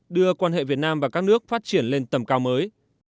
đưa quan hệ việt nam và các nước phát triển lên tầm cao mới